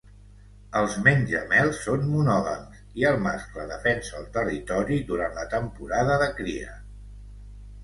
Els menjamels són monògams, i el mascle defensa el territori durant la temporada de cria.